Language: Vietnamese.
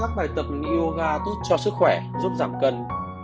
các bài tập yoga tốt cho sức khỏe giúp giảm cân